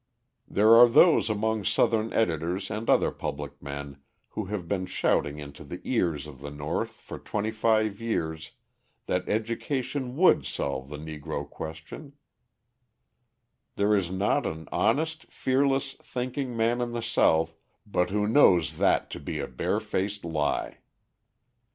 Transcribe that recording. There are those among Southern editors and other public men who have been shouting into the ears of the North for twenty five years that education would solve the Negro question; there is not an honest, fearless, thinking man in the South but who knows that to be a bare faced lie.